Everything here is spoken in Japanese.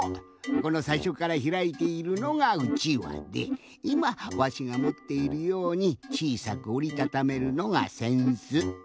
このさいしょからひらいているのがうちわでいまわしがもっているようにちいさくおりたためるのがせんす。